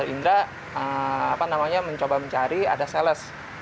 akhirnya dr indra mencoba mencari ada sales